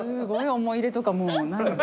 思い入れとかもうないんだ。